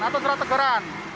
atau surat teguran